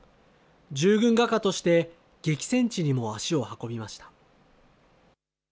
従軍画家として激戦地にも足を運びました。